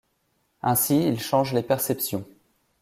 Ainsi il change les perceptions.